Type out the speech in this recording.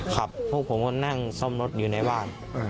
ครับพวกผมก็นั่งซ่อมรถอยู่ในบ้าน